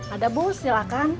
ada bu silakan